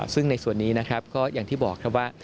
ซึ่งในส่วนนี้นะครับก็อย่างที่บอกครับว่า